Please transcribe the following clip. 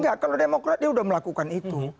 enggak kalau demokrat dia sudah melakukan itu